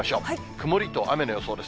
曇りと雨の予想です。